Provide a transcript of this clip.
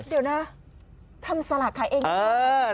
เดี๋ยวนะทำสลากขายเองกันไหมครับ